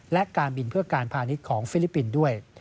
และการบินเพื่อการพาณิชย์ของฟิลิปปินส์ด้วย